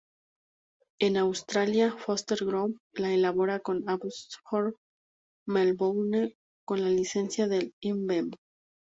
En Australia, Foster's Group la elabora en Abbotsford, Melbourne, con la licencia de InBev.